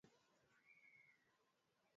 Bairu walikuwa na koo kama mia moja thelathini